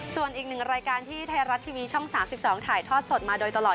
ส่วนอีกหนึ่งรายการที่ไทยรัฐทีวีช่อง๓๒ถ่ายทอดสดมาโดยตลอด